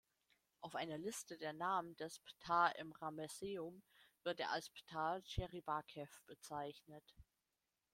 Auf einer Liste der Namen des Ptah im Ramesseum wird er als Ptah-Cheribakef bezeichnet.